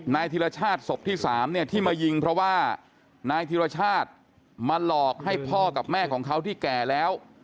ธิรชาติศพที่๓เนี่ยที่มายิงเพราะว่านายธิรชาติมาหลอกให้พ่อกับแม่ของเขาที่แก่แล้ว